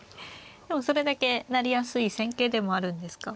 でもそれだけなりやすい戦型でもあるんですか。